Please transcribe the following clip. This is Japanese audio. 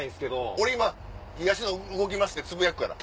俺今「東野動きます」ってつぶやくから。